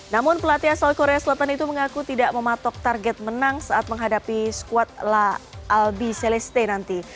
namun pelatih asal korea selatan itu mengaku tidak mematok target menang saat menghadapi squad la albi celeste nanti